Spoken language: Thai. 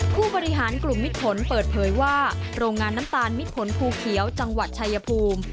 ผู้บริหารกลุ่มมิดผลเปิดเผยว่าโรงงานน้ำตาลมิดผลภูเขียวจังหวัดชายภูมิ